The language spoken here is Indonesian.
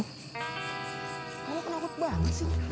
kamu kenaput banget sih